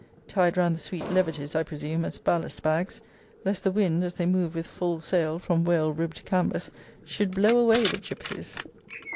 Tied round the sweet levities, I presume, as ballast bags, lest the wind, as they move with full sail, from whale ribbed canvass, should blow away the gypsies.